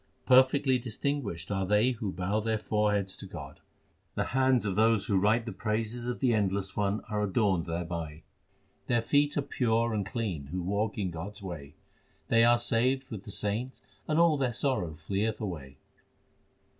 Perfectly distinguished are they who bow their foreheads to God. HYMNS OF GURU ARJAN 379 The hands of those who write the praises of the Endless One are adorned thereby. Their feet are pure and clean who walk in God s way : They are saved with the saints and all their sorrow fleeth away.